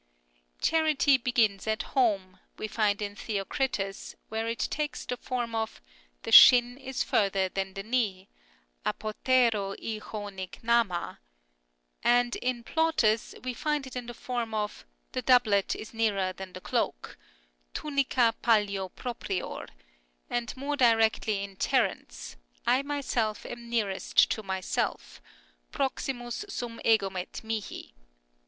" Charity begins at home " we find in Theocritus, where it takes the form of " The shin is further than the knee " (axwrepw rj yow POPULAR PROVERBS 265 Kvdfj.a) ; and in Plautus we find it in the form of " The doublet is nearer than the cloak "(" Tunica pallio proprior "), and more directly in Terence, " I myself am nearest to myself "(" Proximus sum egomet mihi